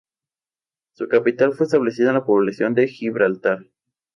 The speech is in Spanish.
Su capital fue establecida en la población de Gibraltar.